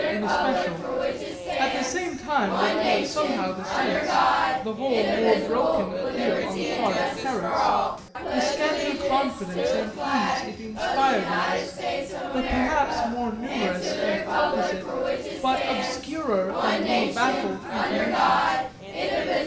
in especial; at the same time that I have somehow the sense of the whole more broken appeal on the part of Paris, the scanter confidence and ease it inspired in us, the perhaps more numerous and composite, but obscurer and more baffled intimations.